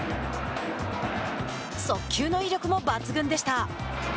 速球の威力も抜群でした。